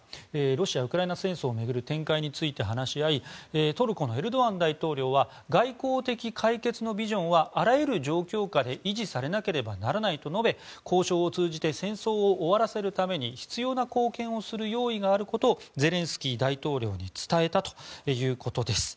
ロシア・ウクライナ戦争を巡る展開について話し合いトルコのエルドアン大統領は外交的解決のビジョンはあらゆる状況下で維持されなければならないと述べ交渉を通じて戦争を終わらせるために必要な貢献をする用意があることをゼレンスキー大統領に伝えたということです。